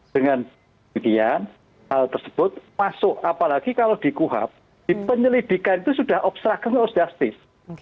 dengan demikian hal tersebut masuk apalagi kalau di kuhap di penyelidikan itu sudah obstruction of justice